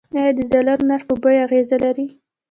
آیا د ډالر نرخ په بیو اغیز لري؟